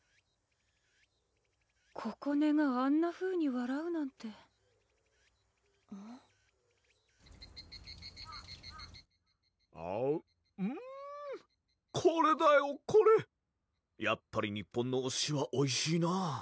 ここねがあんなふうにわらうなんてうんこれだよこれやっぱり日本のおすしはおいしいなぁ